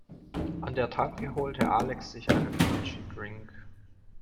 An der Tanke holte Alex sich einen Energy-Drink.